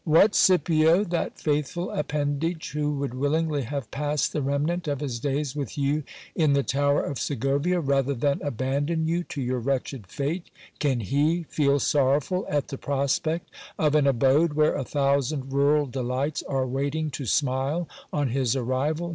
What, Scipio! that faithful ap pendage, who would willingly have passed the remnant of his days with you in the tower of Segovia, rather than abandon you to your wretched fate, can he feel sorrowful at the prospect of an abode, where a thousand rural delights are waiting to smile on his arrival